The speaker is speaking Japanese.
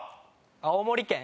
青森県。